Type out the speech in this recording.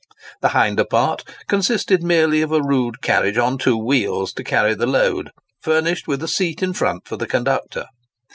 The hinder part consisted merely of a rude carriage on two wheels to carry the load, furnished with a seat in front for the conductor.